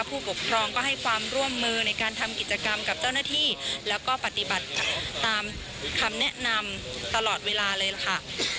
ผู้ปกครองก็ให้ความร่วมมือในการทำกิจกรรมกับเจ้าหน้าที่แล้วก็ปฏิบัติตามคำแนะนำตลอดเวลาเลยล่ะค่ะ